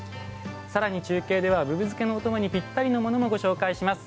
さらに中継ではぶぶ漬けのお供にぴったりなものもご紹介します。